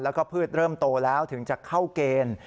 แล้วก็พืชเริ่มโตแล้วถึงจะเข้าเกณฑ์